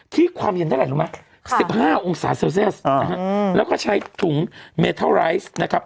ที่ความเย็นได้ไหล่รู้มะ๑๕องศาเซลเซียสแล้วก็ใช้ถุงเมทัลไรส์นะครับ